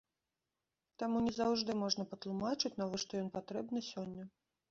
Таму не заўжды можна патлумачыць, навошта ён патрэбны сёння.